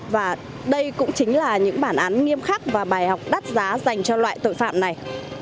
và đây cũng chính là những bản án nghiêm khắc và bài học đắt giá dành cho loại tội phạm này